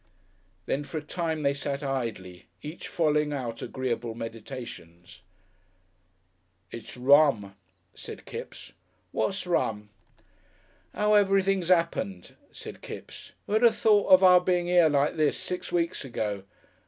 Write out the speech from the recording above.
Then for a time they sat idly, each following out agreeable meditations. "It's rum," said Kipps. "What's rum?" "'Ow everything's 'appened," said Kipps. "Who'd 'ave thought of our being 'ere like this six weeks ago?...